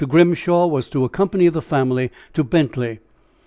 Grimshaw was to accompany the family to Bentley.